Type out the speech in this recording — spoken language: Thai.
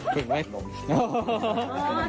คู่ไว้ผม